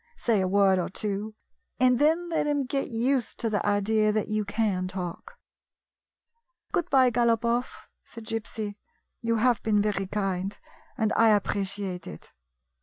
Say a word or two, and then let him get used to the idea that you can talk." "Good bye, Galopoff," said Gypsy. "You have been very kind, and I appreciate it."